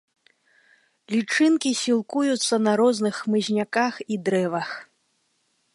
Лічынкі сілкуюцца на розных хмызняках і дрэвах.